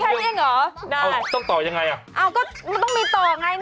ทันแค่นี่เองเหรอได้อ้าวต้องต่ายังไงอ่ะ